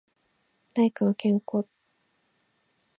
大工の兼公と肴屋の角をつれて、茂作の人参畠をあらした事がある。